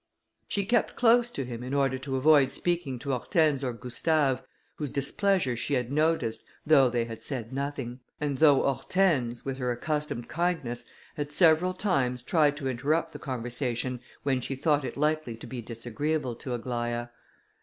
She kept close to him, in order to avoid speaking to Hortense or Gustave, whose displeasure she had noticed, though they had said nothing; and though Hortense, with her accustomed kindness, had several times tried to interrupt the conversation, when she thought it likely to be disagreeable to Aglaïa.